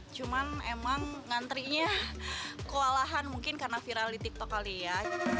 cuman emang ngantrinya kewalahan mungkin karena viral di tiktok kali ya